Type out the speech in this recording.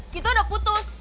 kita udah putus